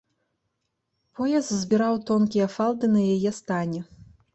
Пояс збіраў тонкія фалды на яе стане.